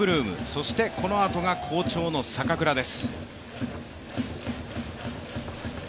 そしてこのあとが好調の坂倉です。